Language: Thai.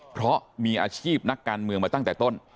เพราะมีอาชีพนักการเมืองมาตั้งแต่ต้น